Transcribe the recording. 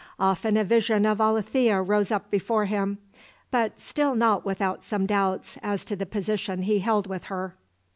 Often a vision of Alethea rose up before him, but still not without some doubts as to the position he held with her.